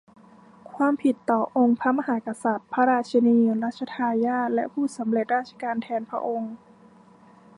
ความผิดต่อองค์พระมหากษัตริย์ พระราชินี รัชทายาท และผู้สำเร็จราชการแทนพระองค์